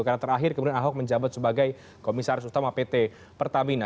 karena terakhir kemudian ahok menjabat sebagai komisaris utama pt pertamina